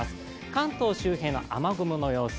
関東周辺の雨雲の様子